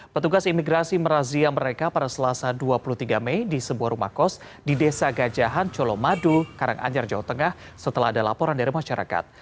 petugas imigrasi merazia mereka pada selasa dua puluh tiga mei di sebuah rumah kos di desa gajahan colomadu karanganyar jawa tengah setelah ada laporan dari masyarakat